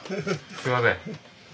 すいません。